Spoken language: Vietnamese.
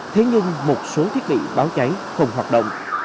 thế nhưng một số thiết bị báo cháy không hoạt động